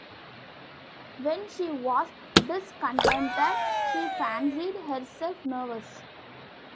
When she was discontented, she fancied herself nervous.